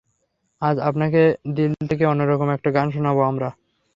আজ আপনাকে দিল থেকে অন্যরকম একটা গান শুনাবো আমরা।